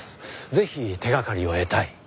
ぜひ手がかりを得たい。